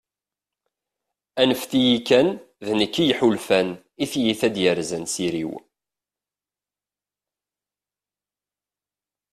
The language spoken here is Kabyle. anfet-iyi kan, d nekk i yeḥulfan, i tyita i d-yerzan s iri-w